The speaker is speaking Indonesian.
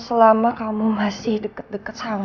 selama kamu masih deket deket sama